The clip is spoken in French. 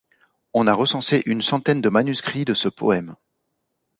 On a recensé une centaine de manuscrits de ce poème.